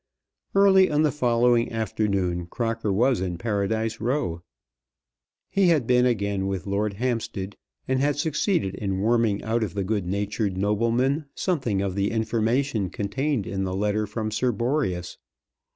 Early on the following afternoon Crocker was in Paradise Row. He had been again with Lord Hampstead, and had succeeded in worming out of the good natured nobleman something of the information contained in the letter from Sir Boreas.